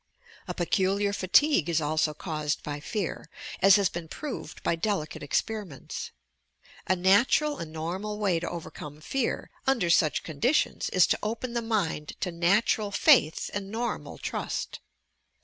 A peculiar fatigue is also caused by fear, as has been proved by delicate experiments. A natural and normal way to overcome tear under such conditions is to open the mind to natural faith and normal trust.